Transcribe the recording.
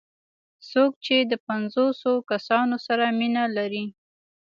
څوک چې د پنځوسو کسانو سره مینه لري.